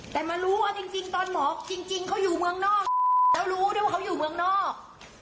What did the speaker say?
แต่มารู้ว่าจริงตอนหมอจริงเขาอยู่เมืองนอกแล้วรู้ได้ว่าเขาอยู่เมืองนอก